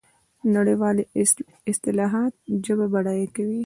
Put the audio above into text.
نړیوالې اصطلاحات ژبه بډایه کوي.